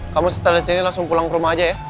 kamu setelah disini langsung pulang ke rumah aja ya